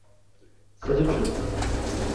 Siz uchun!